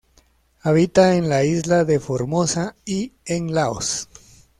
Habita en la isla de Formosa y en Laos.